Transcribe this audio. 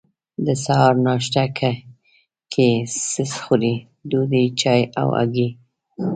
د سهار ناشته کی څه خورئ؟ ډوډۍ، چای او هګۍ